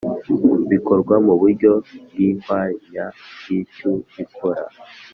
bikorwa mu buryo bw ihwanyabwishyu bikora